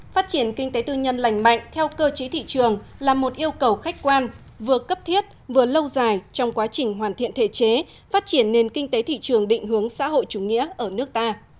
phát triển kinh tế tư nhân lành mạnh theo cơ chế thị trường là một yêu cầu khách quan vừa cấp thiết vừa lâu dài trong quá trình hoàn thiện thể chế phát triển nền kinh tế thị trường định hướng xã hội chủ nghĩa ở nước ta